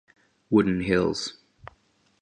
Wooden hills.